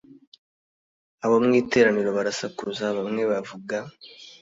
Abo mu iteraniro barasakuza bamwe bavuga